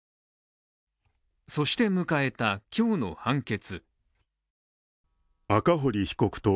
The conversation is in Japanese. そして迎えた、今日の判決。